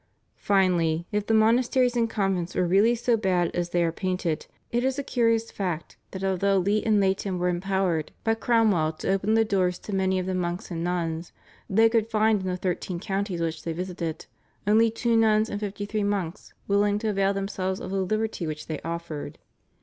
Finally, if the monasteries and convents were really so bad as they are painted, it is a curious fact that although Leigh and Leyton were empowered by Cromwell to open the doors to many of the monks and nuns they could find in the thirteen counties which they visited only two nuns and fifty three monks willing to avail themselves of the liberty which they offered.